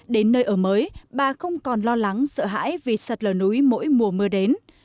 đến nơi ở mới bà không còn lo lắng sợ hãi vì sạt lở núi mỗi mùa mưa đến